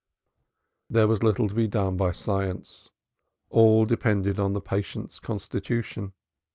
There was little to be done by science all depended on the patient's constitution.